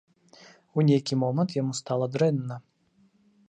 У нейкі момант яму стала дрэнна.